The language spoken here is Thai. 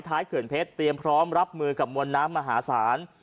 เขื่อนเพชรเตรียมพร้อมรับมือกับมวลน้ำมหาศาล